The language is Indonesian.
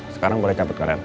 sekarang boleh cabut kalian